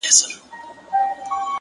د حقیقت رڼا د فریب پردې څیروي!